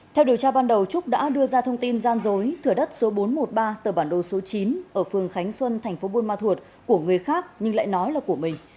theo điều tra ban đầu trúc đã đưa ra thông tin gian dối thửa đất số bốn trăm một mươi ba tờ bản đồ số chín ở phường khánh xuân thành phố buôn ma thuột của người khác nhưng lại nói là của mình